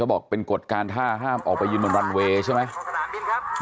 บอกเป็นกฎการท่าห้ามออกไปยืนบนรันเวย์ใช่ไหม